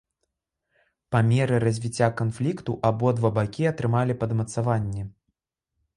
Па меры развіцця канфлікту абодва бакі атрымалі падмацаванне.